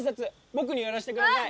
僕にやらせてください。